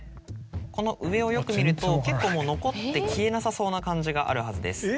この上をよく見ると結構もう残って消えなさそうな漢字があるはずです。